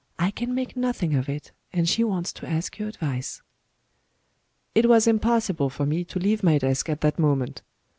I can make nothing of it and she wants to ask your advice." It was impossible for me to leave my desk at that moment.